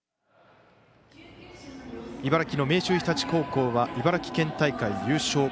茨城の明秀日立高校は茨城県大会優勝。